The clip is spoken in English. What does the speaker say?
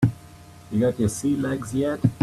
You got your sea legs yet?